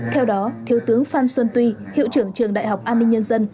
theo đó thiếu tướng phan xuân tuy hiệu trưởng trường đại học an ninh nhân dân